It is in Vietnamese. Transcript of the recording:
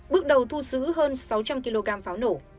bước đầu thu giữ hơn sáu trăm linh kg pháo nổ